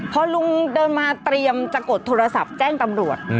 พอลุงเดินมาเตรียมจะกดโทรศัพท์แจ้งตำรวจ